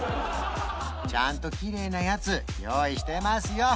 ちゃんときれいなやつ用意してますよ